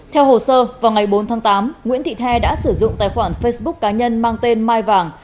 theo hồ sơ vào ngày bốn tháng tám nguyễn thị the đã sử dụng tài khoản facebook cá nhân mang tên mai vàng